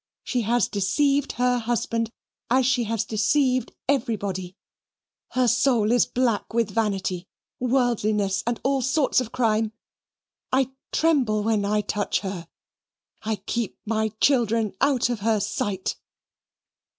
She has deceived her husband, as she has deceived everybody; her soul is black with vanity, worldliness, and all sorts of crime. I tremble when I touch her. I keep my children out of her sight."